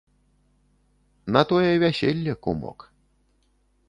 На тое вяселле, кумок.